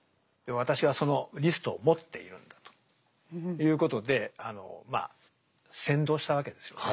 私はそのリストを持っているんだということでまあ扇動したわけですよね。